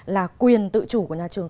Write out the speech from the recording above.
là quyền tự chủ của nhà trường